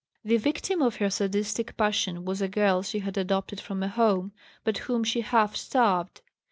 The victim of her sadistic passion was a girl she had adopted from a Home, but whom she half starved.